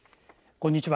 こんにちは。